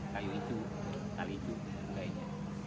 kayu icu tali icu dan lainnya